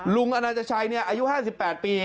ลุงอันนันชัยนี่อายุ๕๘ปี